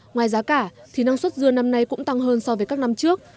ngoài giá cả thì năng suất dưa năm nay cũng tăng hơn so với các năm trước